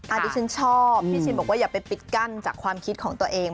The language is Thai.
อันนี้ฉันชอบพี่ชินบอกว่าอย่าไปปิดกั้นจากความคิดของตัวเอง